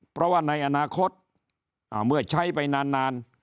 เพราะว่าในอนาคตเมื่อใช้ไปนาน